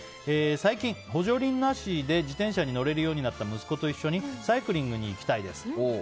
最近、補助輪なしで自転車に乗れるようになった息子と一緒にサイクリングに行きたいです。